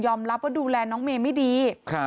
รับว่าดูแลน้องเมย์ไม่ดี